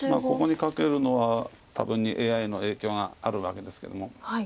ここにカケるのは多分にＡＩの影響があるわけですけども。